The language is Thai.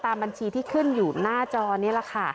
บัญชีที่ขึ้นอยู่หน้าจอนี่แหละค่ะ